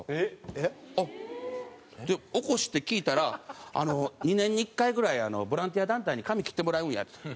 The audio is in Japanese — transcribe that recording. えっ！で起こして聞いたら「２年に１回ぐらいボランティア団体に髪切ってもらうんや」って。